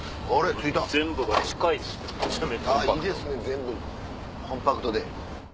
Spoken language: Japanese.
全部コンパクトで。